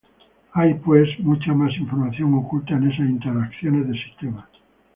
Hay, pues, mucha más información oculta en esas interrelaciones de sistemas.